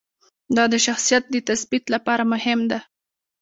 دا د شخصیت د تثبیت لپاره هم ده.